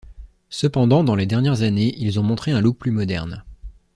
Cependant, dans les dernières années, ils ont montré un look plus moderne.